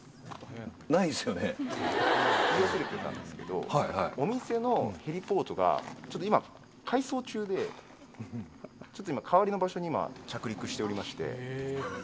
言い遅れてたんですけど、お店のヘリポートが、ちょっと今、改装中で、ちょっと今、代わりの場所に今、着陸しておりまして。